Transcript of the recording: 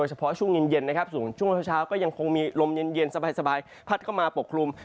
เฉพาะช่วงเย็นนะครับส่วนช่วงเช้าก็ยังคงมีลมเย็นสบายพัดเข้ามาปกคลุม